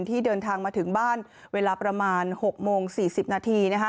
ที่เดินทางมาถึงบ้านเวลาประมาณ๖โมง๔๐นาที